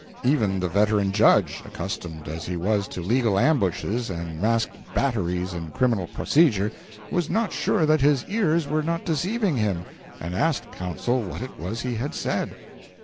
Even the veteran judge, accustomed as he was to legal ambushes and masked batteries in criminal procedure, was not sure that his ears were not deceiving him, and asked counsel what it was he had said.